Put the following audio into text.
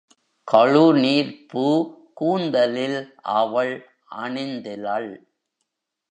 கழுநீர்ப் பூ கூந்தலில் அவள் அணிந்திலள்.